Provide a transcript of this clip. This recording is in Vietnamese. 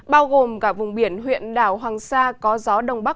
bao gồm cả vùng biển huyện đảo hoàng sa